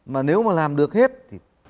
mà nếu mà làm được hết thì